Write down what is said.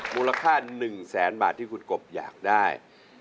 มูลค่า๑แสนบาทที่คุณกบอยากได้